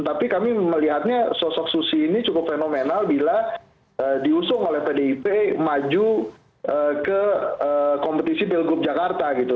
tapi kami melihatnya sosok susi ini cukup fenomenal bila diusung oleh pdip maju ke kompetisi pilgub jakarta gitu